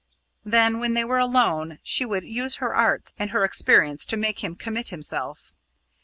Then when they were alone, she would use her arts and her experience to make him commit himself.